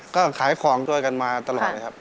ก็ขายของด้วยกันมาตลอดนะครับ